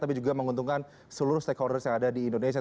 tapi juga menguntungkan seluruh stakeholders yang ada di indonesia